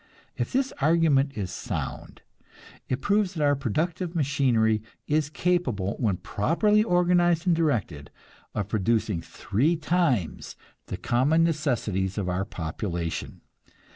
If this argument is sound, it proves that our productive machinery is capable, when properly organized and directed, of producing three times the common necessities of our population.